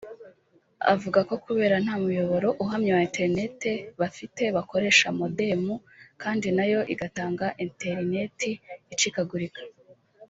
avuga ko kubera nta muyoboro uhamye wa internet bafite bakoresha modemu kandi nayo igatanga interineti icikagurika